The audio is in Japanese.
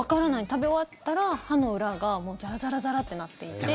食べ終わったら歯の裏がもうザラザラってなっていて。